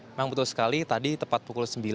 memang betul sekali tadi tepat pukul sembilan